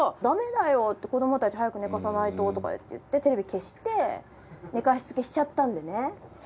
だめだよって子どもたち早く寝かさないととか言ってテレビ消して寝かしつけしちゃったんでね。